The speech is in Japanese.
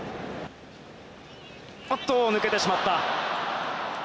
おっと、抜けてしまった。